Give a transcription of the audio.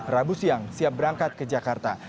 rabu siang siap berangkat ke jakarta